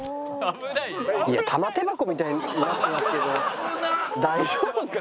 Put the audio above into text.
いや玉手箱みたいになってるんですけど大丈夫ですか？